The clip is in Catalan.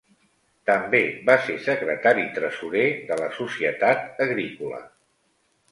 També va ser secretari-tresorer de la Societat Agrícola.